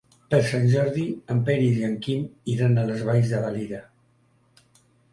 Per Sant Jordi en Peris i en Quim iran a les Valls de Valira.